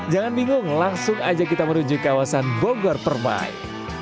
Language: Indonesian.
jangan bingung langsung aja kita menuju kawasan bogor permai